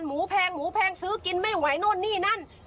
หมูแพงหมูแพงซื้อกินไม่ไหวโน่นนี่นั่น